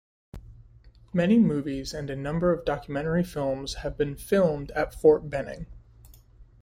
Many movies and a number of documentary films have been filmed at Fort Benning.